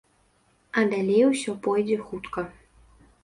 А далей усё пойдзе хутка.